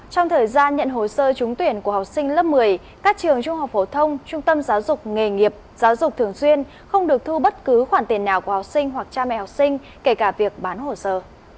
trong thời gian nhận hồ sơ trúng tuyển của học sinh lớp một mươi các trường trung học phổ thông trung tâm giáo dục nghề nghiệp giáo dục thường xuyên không được thu bất cứ khoản tiền nào của học sinh hoặc cha mẹ học sinh kể cả việc bán hồ sơ